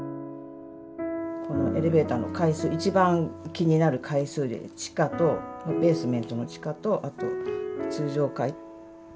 エレベーターの階数一番気になる階数で地下とベースメントの地下とあと通常階。